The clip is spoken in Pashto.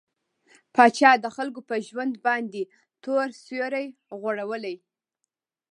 پاچا د خلکو په ژوند باندې تور سيورى غوړولى.